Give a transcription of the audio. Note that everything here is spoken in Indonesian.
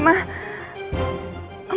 mama tahu nggak mama